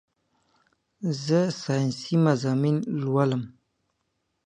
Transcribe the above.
زه سائنسي مضامين لولم